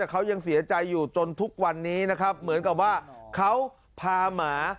เขายังเสียใจอยู่จนทุกวันนี้นะครับเหมือนกับว่าเขาพาหมา